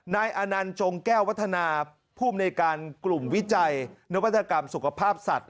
นายอานันต์จงแก้ววัฒนาภูมิในการกลุ่มวิจัยนวัตกรรมสุขภาพสัตว